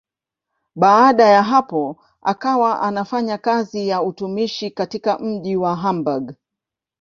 Baada ya hapo akawa anafanya kazi ya utumishi katika mji wa Hamburg.